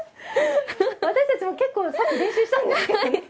私たちも結構、さっき練習したんですけど。